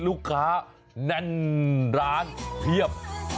ลูกค้านั่นร้านเพียบ